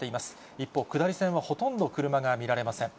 一方、下り線はほとんど車が見られません。